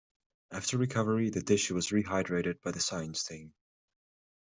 After recovery, the tissue was rehydrated by the science team.